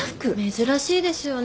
珍しいですよね